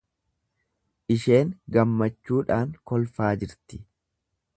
Isheen gammachuudhaan kolfaa jirti.